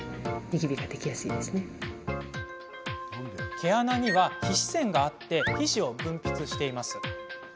毛穴には皮脂腺があり皮脂を分泌しています。